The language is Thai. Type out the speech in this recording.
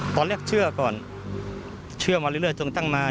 ตอนแรกเชื่อก่อนเชื่อมาเรื่อยจนตั้งมา